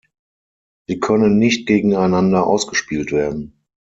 Sie können nicht gegeneinander ausgespielt werden.